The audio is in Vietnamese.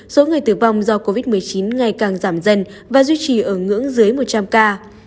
số người tử vong do covid một mươi chín ngày càng giảm dần và duy trì ở ngưỡng dưới một trăm linh ca